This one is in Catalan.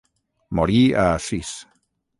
Morí a Assís.